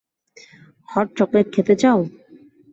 Hot chocolate খেতে চাও?